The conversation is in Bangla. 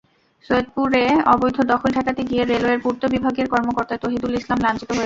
সৈয়দপুরে অবৈধ দখল ঠেকাতে গিয়ে রেলওয়ের পূর্ত বিভাগের কর্মকর্তা তহিদুল ইসলাম লাঞ্ছিত হয়েছেন।